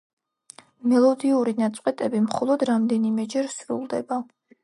მელოდიური ნაწყვეტები მხოლოდ რამდენიმეჯერ სრულდება.